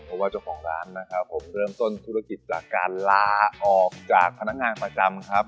เพราะว่าเจ้าของร้านนะครับผมเริ่มต้นธุรกิจจากการลาออกจากพนักงานประจำครับ